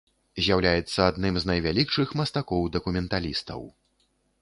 З'яўляецца адным з найвялікшых мастакоў-дакументалістаў.